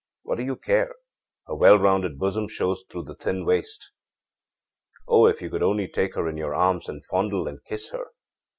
What do you care? Her well rounded bosom shows through the thin waist. Oh, if you could only take her in your arms and fondle and kiss her!